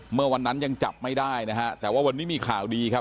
เมื่อวันนั้นยังจับไม่ได้นะฮะแต่ว่าวันนี้มีข่าวดีครับ